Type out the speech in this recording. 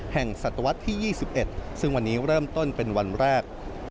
ศตวรรษที่๒๑ซึ่งวันนี้เริ่มต้นเป็นวันแรก